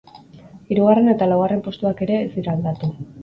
Hirugarren eta laugarren postuak ere, ez dira aldatu.